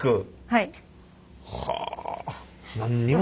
はい。